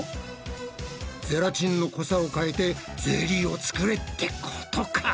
ゼラチンの濃さを変えてゼリーを作れってことか？